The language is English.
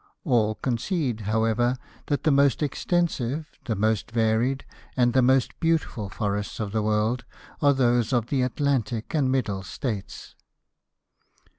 All concede, however, that the most extensive, the most varied, and the most beautiful forests of the world are those of the Atlantic and Middle States.